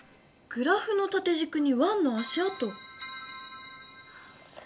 グラフのたてじくにワンの足あと。